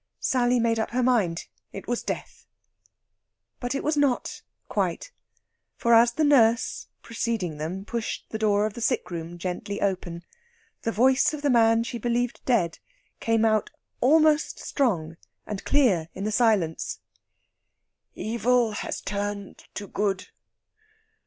Sally made up her mind it was death. But it was not, quite; for as the nurse, preceding them, pushed the door of the sickroom gently open, the voice of the man she believed dead came out almost strong and clear in the silence: "Evil has turned to good.